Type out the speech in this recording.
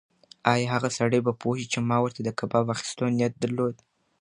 ایا هغه سړی به پوه شي چې ما ورته د کباب اخیستو نیت درلود؟